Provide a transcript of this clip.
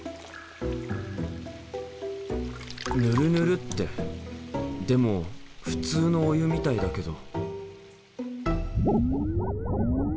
ヌルヌルってでも普通のお湯みたいだけど。